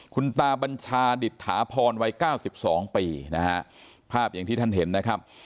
คุณตาบัญชาดิจทาพรไว้๙๒ปีนะฮะภาพอย่างที่ท่านเห็นนะครับ